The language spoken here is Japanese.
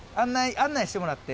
案内してもらって。